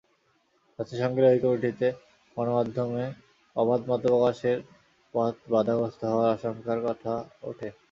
জাতিসংঘের ওই কমিটিতে গণমাধ্যমে অবাধ মতপ্রকাশের পথ বাধাগ্রস্ত হওয়ার আশঙ্কার কথা ওঠে।